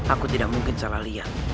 aku tidak mungkin salah lihat